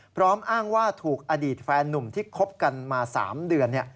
พร้อมอ้างว่าถูกอดีตแฟนนุ่มที่คบกันมา๓เดือน